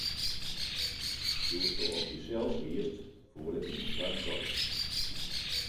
Doe'tsto op dysels giest, foel ik yn in swart gat.